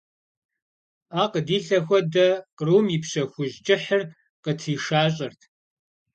Ӏэ къыдилъэ хуэдэ, кърум и пщэ хужь кӀыхьыр къытришащӀэрт.